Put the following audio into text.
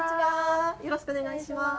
よろしくお願いします。